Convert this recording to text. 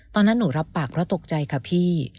ตอนนั้นหนูรับปากเพราะตกใจค่ะพี่